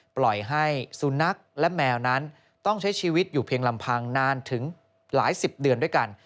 ปล่อยให้สุนัขและแมวนั้นต้องใช้ชีวิตอยู่เพียงลำพังนานถึงหลายสิบเดือนด้วยกัน